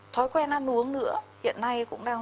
thói quen ăn uống nữa hiện nay cũng đang